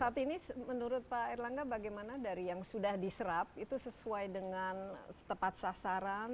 saat ini menurut pak erlangga bagaimana dari yang sudah diserap itu sesuai dengan tepat sasaran